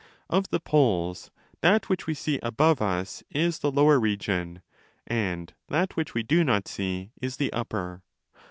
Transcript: Of the poles, that which we see above us is the lower region, and that which we do not see is the upper.